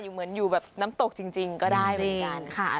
เหมือนอยู่แบบน้ำตกจริงก็ได้เหมือนกันค่ะ